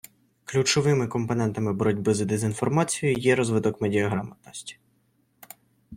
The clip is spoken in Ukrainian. Ключовими компонентами боротьби з дезінформацією є – розвиток медіаграмотності.